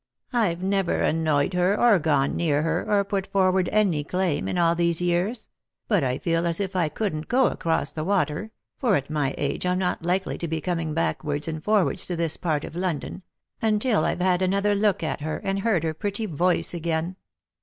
" I've never annoyed her, or gone near her, or put forward any claim, in all these years ; but I feel as if I couldn't go across the water — for at my age I'm not likely to be coming backwards and forwards to this part of London — until I've had another look at her, and heard her pretty voice again.